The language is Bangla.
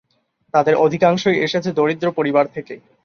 তাদের অধিকাংশই এসেছে দরিদ্র পরিবার থেকে।